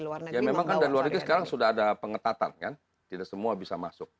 luar ya memang kan dari luar negeri sekarang sudah ada pengetatan kan tidak semua bisa masuk